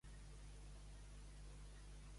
Ca la Tita.